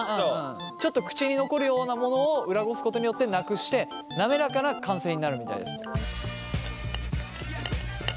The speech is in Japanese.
ちょっと口に残るようなものを裏ごすことによってなくして滑らかな完成になるみたいです。